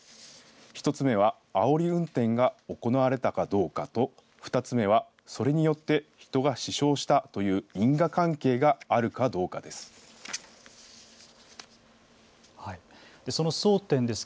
１つ目はあおり運転が行われたかどうかと２つ目はそれによって人が死傷したという因果関係があるかどうかです。